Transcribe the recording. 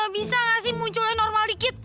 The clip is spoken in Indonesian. bisa nggak sih munculnya normal dikit